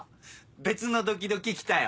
別のドキドキきたよ！